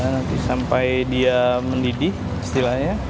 nanti sampai dia mendidih istilahnya